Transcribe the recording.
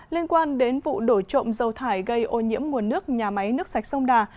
liên quan đến vụ đổ trộm dầu thải gây ô nhiễm nguồn nước nhà máy nước sạch sông đà